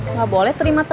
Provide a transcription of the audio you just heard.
enggak boleh terima tangan